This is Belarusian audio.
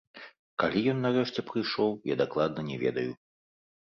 Калі ён нарэшце прыйшоў, я дакладна не ведаю.